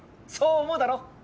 そう思うだろう？